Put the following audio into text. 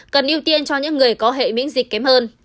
cần ưu tiên cho những người có hệ miễn dịch kém hơn